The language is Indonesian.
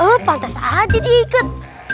eh pantas aja di ikut